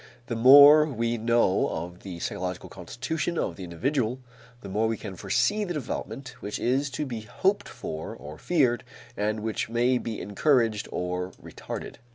The more we know of the psychological constitution of the individual, the more we can foresee the development which is to be hoped for or feared and which may be encouraged or retarded.